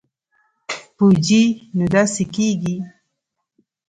پوجي نو داسې کېږي.